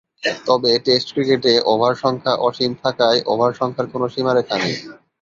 তবে, টেস্ট ক্রিকেটে ওভার সংখ্যা অসীম থাকায় ওভার সংখ্যার কোন সীমারেখা নেই।